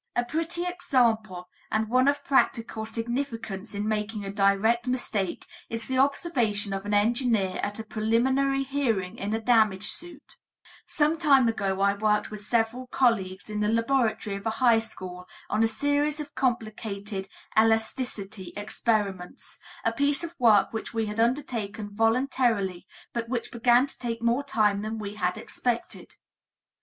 A pretty example and one of practical significance in making a direct mistake is the observation of an engineer at a preliminary hearing in a damage suit: "Some time ago I worked with several colleagues in the laboratory of a high school on a series of complicated elasticity experiments, a piece of work which we had undertaken voluntarily but which began to take more time than we had expected.